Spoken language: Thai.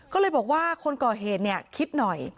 ก็เลยบอกว่าคนก่อเหตุเนี่ยคิดหน่อย